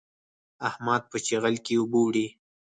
احمد په چيغل کې اوبه وړي.